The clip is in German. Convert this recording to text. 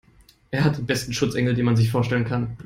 Er hat den besten Schutzengel, den man sich vorstellen kann.